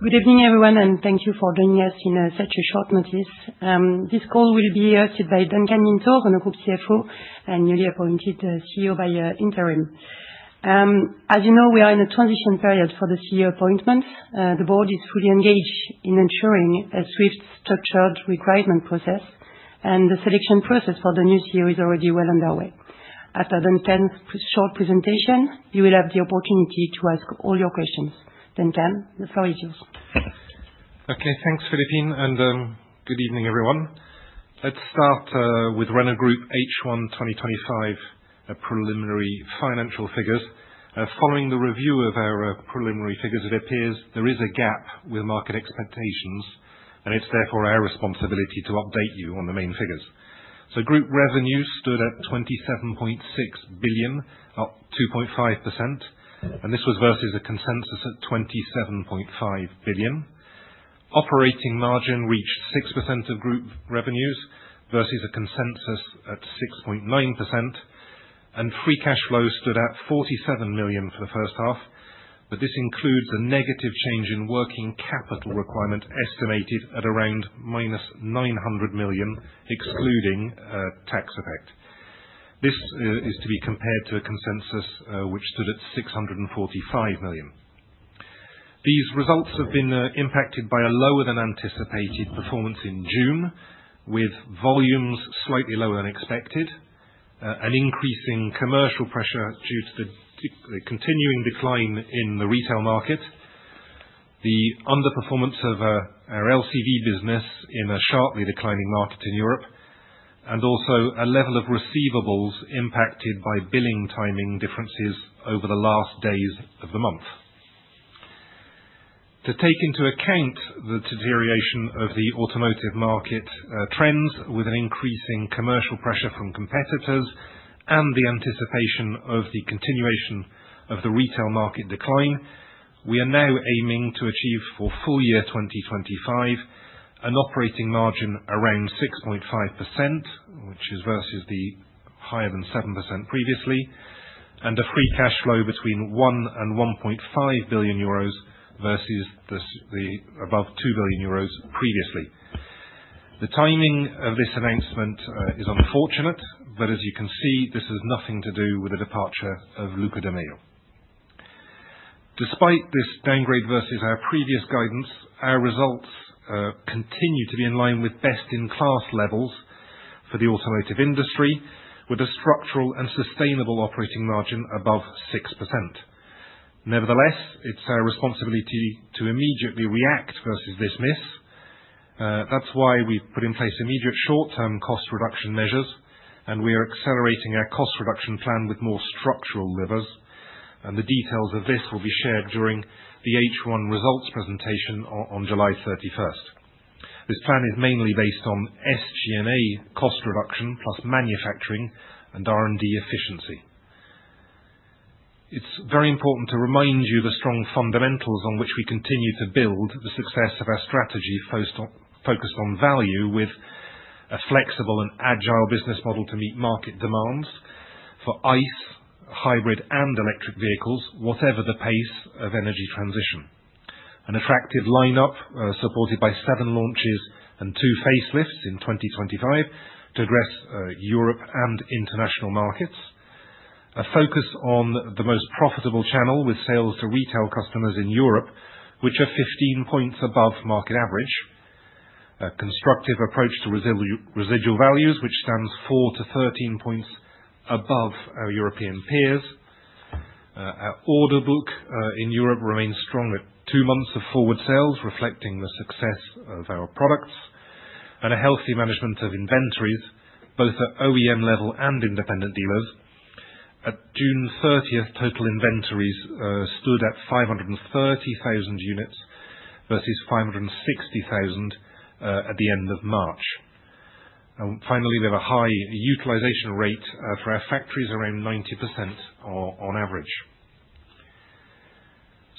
Good evening, everyone, and thank you for joining us on such short notice. This call will be hosted by Duncan Minto, Renault Group CFO and newly appointed CEO by interim. As you know, we are in a transition period for the CEO appointments. The board is fully engaged in ensuring a swift, structured recruitment process, and the selection process for the new CEO is already well underway. After a short presentation, you will have the opportunity to ask all your questions. Duncan, the floor is yours. Okay, thanks, Philippine. And good evening, everyone. Let's start with Renault Group H1 2025, Preliminary financial figures. Following the review of our preliminary figures, it appears there is a gap with market expectations, and it's therefore our responsibility to update you on the main figures. So group revenue stood at 27.6 billion, up 2.5%, and this was versus a consensus at 27.5 billion. Operating margin reached 6% of group revenues versus a consensus at 6.9%. And free cash flow stood at 47 million for the first half, but this includes a negative change in working capital requirement estimated at around minus 900 million, excluding tax effect. This is to be compared to a consensus which stood at 645 million. These results have been impacted by a lower-than-anticipated performance in June, with volumes slightly lower than expected, an increasing commercial pressure due to the continuing decline in the retail market. The underperformance of our LCV business in a sharply declining market in Europe, and also a level of receivables impacted by billing timing differences over the last days of the month. To take into account the deterioration of the automotive market trends with an increasing commercial pressure from competitors and the anticipation of the continuation of the retail market decline, we are now aiming to achieve for full year 2025 an operating margin around 6.5%, which is versus the higher than 7% previously, and a free cash flow between 1 billion-1.5 billion euros versus above 2 billion euros previously. The timing of this announcement is unfortunate, but as you can see, this has nothing to do with the departure of Luca de Meo. Despite this downgrade versus our previous guidance, our results continue to be in line with best-in-class levels for the automotive industry, with a structural and sustainable operating margin above 6%. Nevertheless, it's our responsibility to immediately react versus dismiss. That is why we've put in place immediate short-term cost reduction measures, and we are accelerating our cost reduction plan with more structural levers. The details of this will be shared during the H1 results presentation on July 31. This plan is mainly based on SG&A cost reduction plus manufacturing and R&D efficiency. It's very important to remind you of the strong fundamentals on which we continue to build the success of our strategy focused on value with a flexible and agile business model to meet market demands for ICE, hybrid, and electric vehicles, whatever the pace of energy transition. An attractive lineup supported by seven launches and two facelifts in 2025 to address Europe and international markets. A focus on the most profitable channel with sales to retail customers in Europe, which are 15 points above market average. A constructive approach to residual values, which stands four to 13 points above our European peers. Our order book in Europe remains strong at two months of forward sales, reflecting the success of our products, and a healthy management of inventories, both at OEM level and independent dealers. At June 30, total inventories stood at 530,000 units versus 560,000 at the end of March. Finally, we have a high utilization rate for our factories, around 90% on average.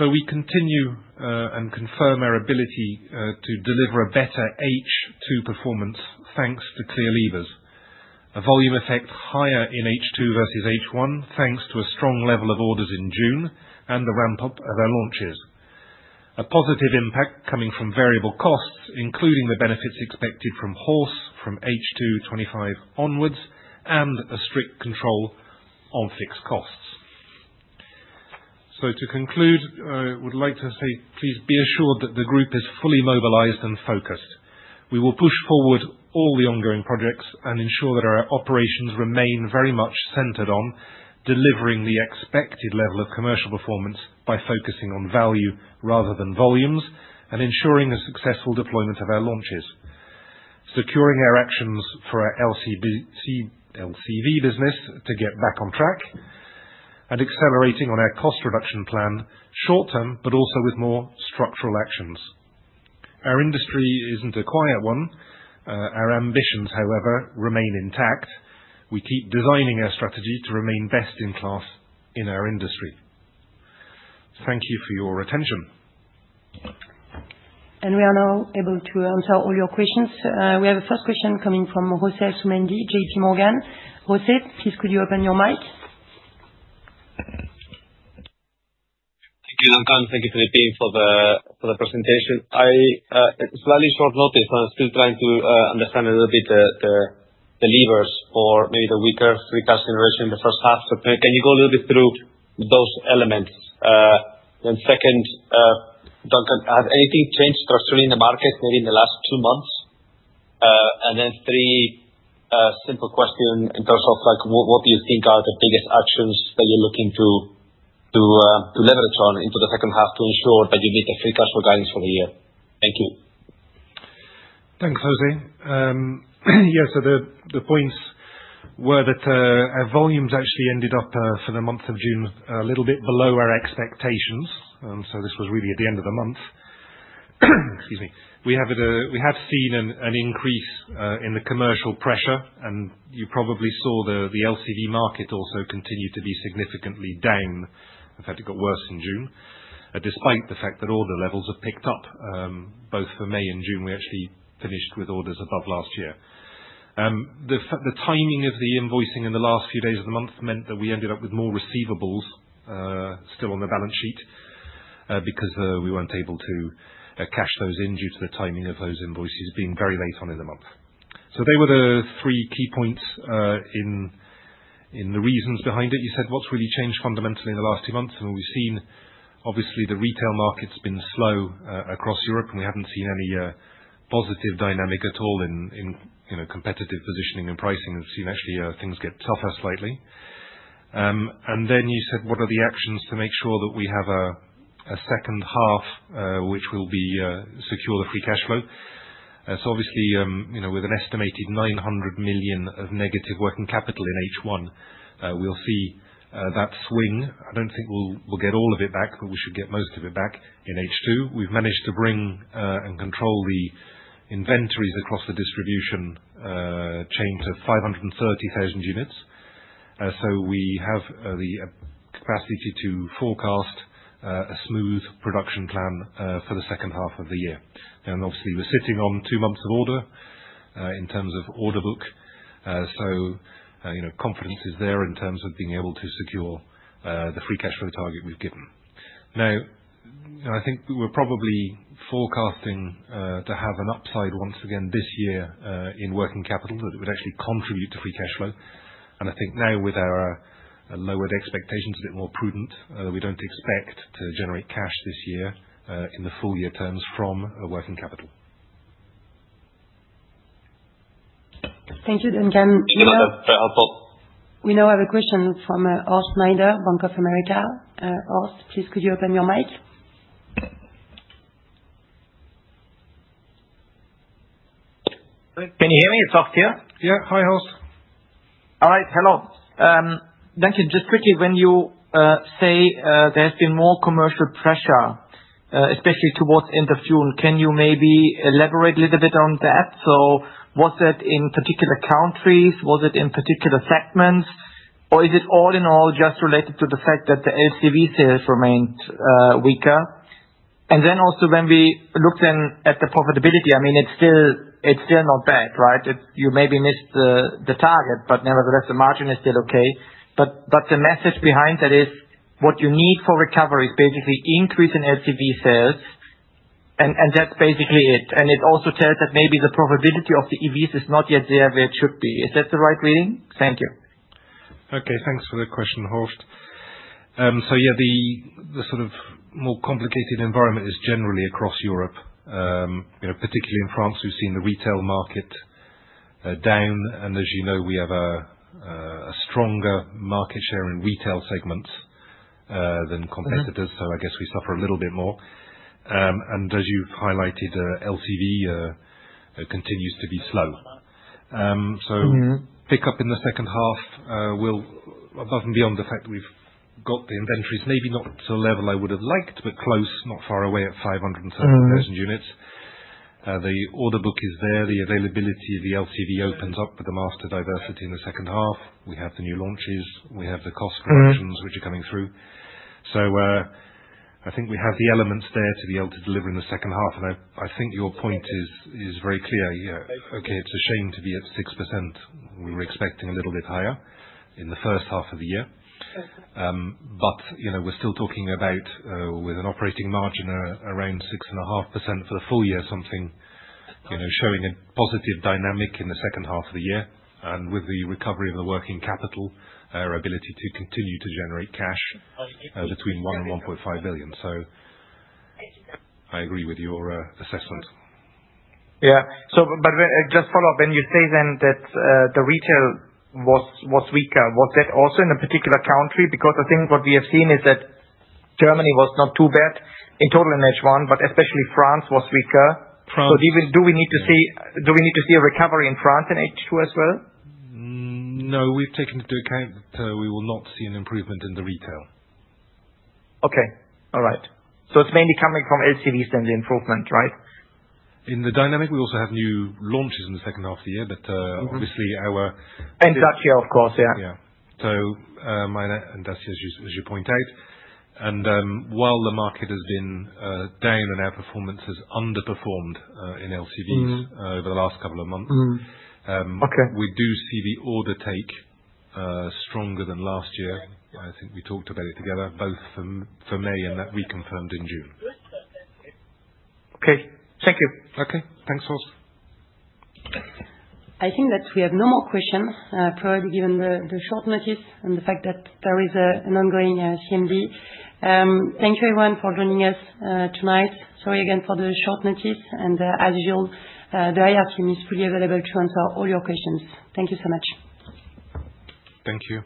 We continue and confirm our ability to deliver a better H2 performance thanks to clear levers. A volume effect higher in H2 versus H1 thanks to a strong level of orders in June and the ramp-up of our launches. A positive impact coming from variable costs, including the benefits expected from H2 2025 onwards and a strict control on fixed costs. To conclude, I would like to say, please be assured that the group is fully mobilized and focused. We will push forward all the ongoing projects and ensure that our operations remain very much centered on delivering the expected level of commercial performance by focusing on value rather than volumes and ensuring a successful deployment of our launches. Securing our actions for our LCV business to get back on track. Accelerating on our cost reduction plan short-term, but also with more structural actions. Our industry is not a quiet one. Our ambitions, however, remain intact. We keep designing our strategy to remain best in class in our industry. Thank you for your attention. We are now able to answer all your questions. We have a first question coming from José Asumendi, JPMorgan. José, please could you open your mic? Thank you, Duncan. Thank you, Philippine, for the presentation. Slightly short notice, I'm still trying to understand a little bit the levers for maybe the weaker free cash generation in the first half. Can you go a little bit through those elements? Second, has anything changed structurally in the market, maybe in the last two months? Three, simple questions in terms of what do you think are the biggest actions that you're looking to leverage on into the second half to ensure that you meet the free cash flow guidance for the year? Thank you. Thanks, José. Yeah, so the points were that our volumes actually ended up for the month of June a little bit below our expectations. This was really at the end of the month. Excuse me. We have seen an increase in the commercial pressure, and you probably saw the LCV market also continue to be significantly down. In fact, it got worse in June, despite the fact that order levels have picked up. Both for May and June, we actually finished with orders above last year. The timing of the invoicing in the last few days of the month meant that we ended up with more receivables still on the balance sheet because we were not able to cash those in due to the timing of those invoices being very late on in the month. They were the three key points in the reasons behind it. You said what's really changed fundamentally in the last two months. We've seen, obviously, the retail market's been slow across Europe, and we haven't seen any positive dynamic at all in competitive positioning and pricing. We've seen actually things get tougher slightly. You said, what are the actions to make sure that we have a second half which will secure the free cash flow? Obviously, with an estimated 900 million of negative working capital in H1, we'll see that swing. I don't think we'll get all of it back, but we should get most of it back in H2. We've managed to bring and control the inventories across the distribution chain to 530,000 units. We have the capacity to forecast a smooth production plan for the second half of the year. Obviously, we're sitting on two months of order in terms of order book. Confidence is there in terms of being able to secure the free cash flow target we've given. Now, I think we're probably forecasting to have an upside once again this year in working capital that would actually contribute to free cash flow. I think now, with our lowered expectations, a bit more prudent, we don't expect to generate cash this year in the full year terms from working capital. Thank you, Duncan. Thank you, Duncan. Very helpful. We now have a question from Horst Schneider, Bank of America. Horst, please could you open your mic? Can you hear me? It's off here. Yeah. Hi, Horst. All right. Hello. Duncan, just quickly, when you say there has been more commercial pressure, especially towards the end of June, can you maybe elaborate a little bit on that? Was it in particular countries? Was it in particular segments? Is it all in all just related to the fact that the LCV sales remained weaker? Also, when we looked at the profitability, I mean, it's still not bad, right? You maybe missed the target, but nevertheless, the margin is still okay. The message behind that is what you need for recovery is basically increase in LCV sales, and that's basically it. It also tells that maybe the profitability of the EVs is not yet there where it should be. Is that the right reading? Thank you. Okay. Thanks for the question, Horst. Yeah, the sort of more complicated environment is generally across Europe. Particularly in France, we've seen the retail market down. As you know, we have a stronger market share in retail segments than competitors, so I guess we suffer a little bit more. As you've highlighted, LCV continues to be slow. Pickup in the second half will, above and beyond the fact that we've got the inventories, maybe not to the level I would have liked, but close, not far away at 530,000 units. The order book is there. The availability of the LCV opens up with the master diversity in the second half. We have the new launches. We have the cost reductions which are coming through. I think we have the elements there to be able to deliver in the second half. I think your point is very clear. Okay, it's a shame to be at 6%. We were expecting a little bit higher in the first half of the year. We're still talking about, with an operating margin around 6.5% for the full year, something showing a positive dynamic in the second half of the year. With the recovery of the working capital, our ability to continue to generate cash between 1 billion and 1.5 billion. I agree with your assessment. Yeah. But just follow-up. When you say then that the retail was weaker, was that also in a particular country? Because I think what we have seen is that Germany was not too bad in total in H1, but especially France was weaker. So do we need to see a recovery in France in H2 as well? No, we've taken into account that we will not see an improvement in the retail. Okay. All right. So it's mainly coming from LCVs than the improvement, right? In the dynamic, we also have new launches in the second half of the year, but obviously our. Dacia, of course, yeah. Yeah. Dacia, as you point out. While the market has been down and our performance has underperformed in LCVs over the last couple of months, we do see the order take stronger than last year. I think we talked about it together, both for May and that we confirmed in June. Okay. Thank you. Okay. Thanks, Horst. I think that we have no more questions, probably given the short notice and the fact that there is an ongoing CMD. Thank you, everyone, for joining us tonight. Sorry again for the short notice. As usual, the IR team is fully available to answer all your questions. Thank you so much. Thank you.